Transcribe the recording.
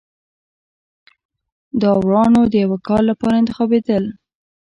داورانو د یوه کال لپاره انتخابېدل.